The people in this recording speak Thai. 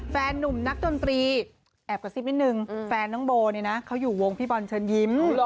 นุ่มนักดนตรีแอบกระซิบนิดนึงแฟนน้องโบเนี่ยนะเขาอยู่วงพี่บอลเชิญยิ้ม